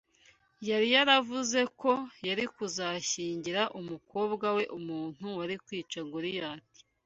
Yari yaravuze ko yari kuzashyingira umukobwa we umuntu wari kwica Goliyati